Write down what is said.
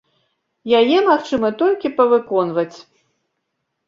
Яе магчыма толькі павыконваць.